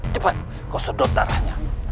cepat kau sedot darahnya